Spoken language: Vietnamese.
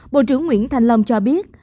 bộ trưởng nguyễn thành long cho biết